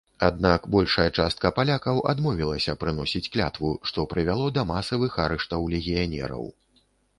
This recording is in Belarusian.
Аднак большая частка палякаў адмовілася прыносіць клятву, што прывяло да масавых арыштаў легіянераў.